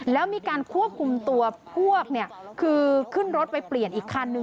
แล้วมีการควบคุมตัวพวกเนี่ยคือขึ้นรถไปเปลี่ยนอีกคันนึง